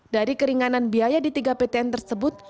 dari keringanan biaya di tiga ptn tersebut